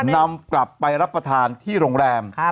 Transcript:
นำกลับไปรับประทานที่โรงแรม